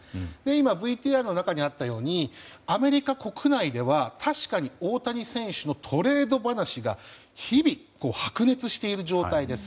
今、ＶＴＲの中にあったようにアメリカ国内では確かに、大谷選手のトレード話が日々、白熱している状態です。